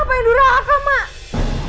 apa yang dodo harga mak